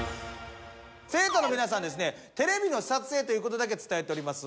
生徒の皆さんにはですねテレビの撮影という事だけ伝えております。